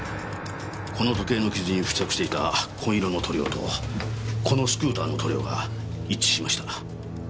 この時計の傷に付着していた紺色の塗料とこのスクーターの塗料が一致しました。